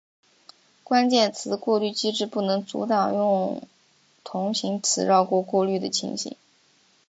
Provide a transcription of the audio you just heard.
关键词过滤机制不能阻挡用同形词绕过过滤的情形。